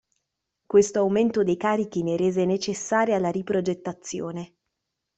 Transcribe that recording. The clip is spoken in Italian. Questo aumento dei carichi ne rese necessaria la riprogettazione.